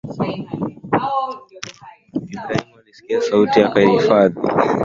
Ibrahimu alisikia sauti yangu akayahifadhi maagizo yangu na amri zangu na hukumu zangu na